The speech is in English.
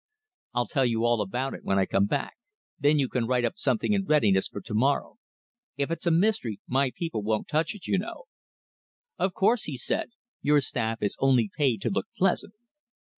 "I'll tell you all about it when I come back; then you can write up something in readiness for to morrow. If it's a mystery my people won't touch it, you know." "Of course," he said. "Your staff is only paid to look pleasant."